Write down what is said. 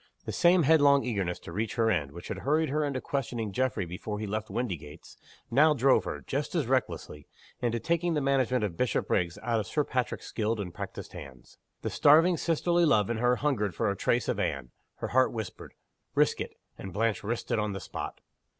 The same headlong eagerness to reach her end, which had hurried her into questioning Geoffrey before he left Windygates, now drove her, just as recklessly, into taking the management of Bishopriggs out of Sir Patrick's skilled and practiced hands. The starving sisterly love in her hungered for a trace of Anne. Her heart whispered, Risk it! And Blanche risked it on the spot.